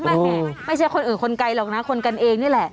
แม่ไม่ใช่คนอื่นคนไกลหรอกนะคนกันเองนี่แหละ